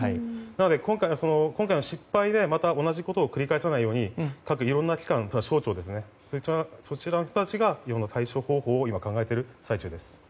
なので今回の失敗で同じことを繰り返さないようにいろんな機関や、省庁などそちらの人たちがいろんな対処方法を考えている最中です。